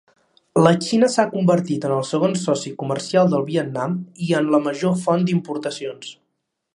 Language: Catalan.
La Xina s'ha convertit en el segon soci comercial del Vietnam i en la major font d'importacions.